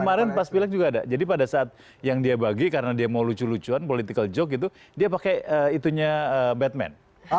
kemarin pas pilek juga ada jadi pada saat yang dia bagi karena dia mau lucu lucuan political joke gitu dia pakai itunya batman